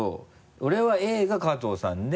俺はＡが加藤さんで。